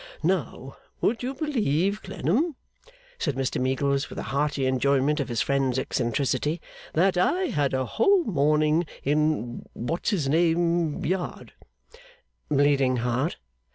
Now, would you believe, Clennam,' said Mr Meagles, with a hearty enjoyment of his friend's eccentricity, 'that I had a whole morning in What's his name Yard ' 'Bleeding Heart?